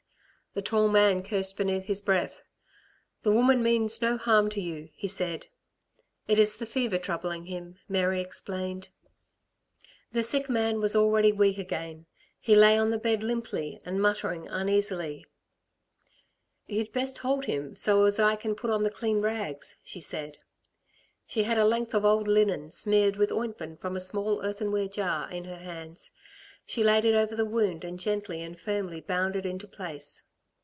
The tall man cursed beneath his breath. "The woman means no harm to you," he said. "It is the fever troubling him," Mary explained. The sick man was already weak again. He lay on the bed limply and muttering uneasily. "You'd best hold him so as I can put on the clean rags," she said. She had a length of old linen, smeared with ointment from a small earthenware jar, in her hands. She laid it over the wound and gently and firmly bound it into place.